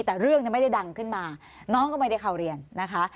แต่เรื่องไม่ได้ดังขึ้นมาน้องก็ไม่ได้เข้าเรียนนะคะ